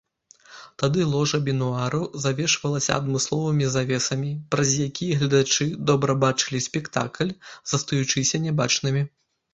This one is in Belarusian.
Тады ложа бенуару завешвалася адмысловымі завесамі, праз якія гледачы добра бачылі спектакль, застаючыся нябачнымі.